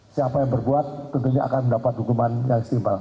siapa yang berbuat tentunya akan mendapat hukuman yang istimbang